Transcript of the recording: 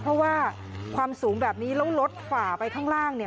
เพราะว่าความสูงแบบนี้แล้วรถฝ่าไปข้างล่างเนี่ย